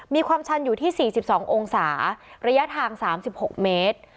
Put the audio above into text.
มีความชันอยู่ที่สี่สิบสององศาระยะทางสามสิบหกเมตร